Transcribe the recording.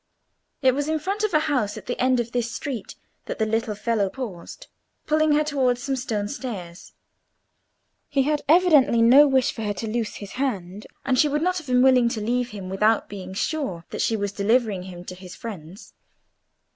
It was in front of a house at the end of this street that the little fellow paused, pulling her towards some stone stairs. He had evidently no wish for her to loose his hand, and she would not have been willing to leave him without being sure that she was delivering him to his friends.